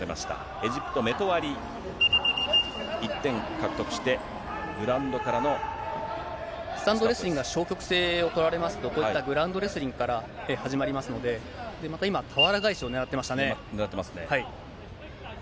エジプト、メトワリ、１点獲得して、グラウンドからの。スタンドレスリングは消極性を取られますと、こういったグラウンドレスリングから始まりますので、また今、ねらってますね。